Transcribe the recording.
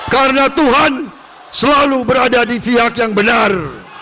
karena tuhan selalu berada di pihak yang benar